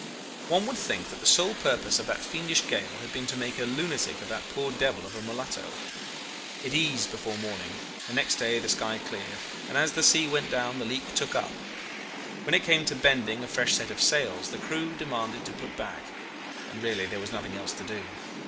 "One would think that the sole purpose of that fiendish gale had been to make a lunatic of that poor devil of a mulatto. It eased before morning, and next day the sky cleared, and as the sea went down the leak took up. When it came to bending a fresh set of sails the crew demanded to put back and really there was nothing else to do.